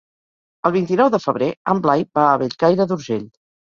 El vint-i-nou de febrer en Blai va a Bellcaire d'Urgell.